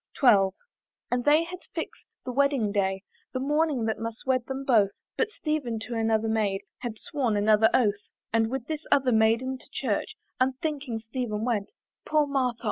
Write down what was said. XII. And they had fix'd the wedding day, The morning that must wed them both; But Stephen to another maid Had sworn another oath; And with this other maid to church Unthinking Stephen went Poor Martha!